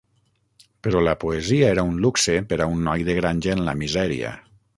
Però la poesia era un luxe per a un noi de granja en la misèria.